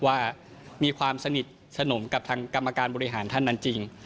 ว่ามีความสนิทสนมกับทางกรรมการบริหารท่านนั้นจริง